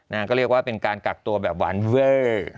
ก็เรียกว่าเป็นการกักตัวแบบหวานเวอร์